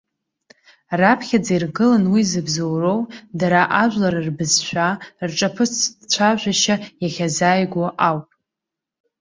Раԥхьаӡа иргылан уи зыбзоуроу дара ажәлар рбызшәа, рҿаԥыцтә цәажәашьа иахьазааигәоу ауп.